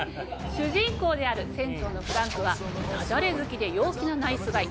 主人公である船長のフランクはダジャレ好きで陽気なナイスガイ。